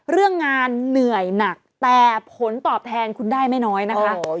เรื่องงานเหนื่อยหนักแต่ผลตอบแทนคุณได้ไม่น้อยนะคะ